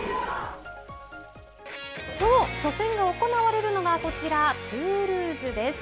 その初戦が行われるのが、こちら、トゥールーズです。